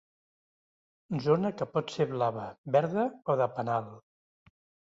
Zona que pot ser blava, verda o de penal.